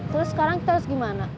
terus sekarang kita harus gimana